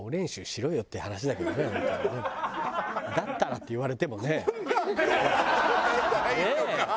「だったら」って言われてもね。